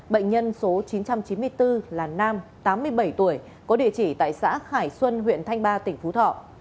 bệnh nhân số chín trăm chín mươi bốn là nam tám mươi bảy tuổi có địa chỉ tại xã khải xuân huyện thanh ba tỉnh phú thọ